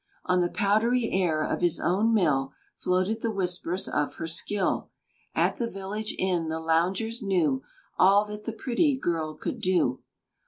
On the powdery air of his own mill Floated the whispers of her skill; At the village inn the loungers knew All that the pretty girl could do.